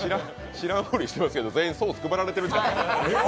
知らんふりしてますけど、全員ソース配られている。